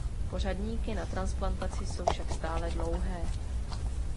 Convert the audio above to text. Pořadníky na transplantaci jsou však stále dlouhé.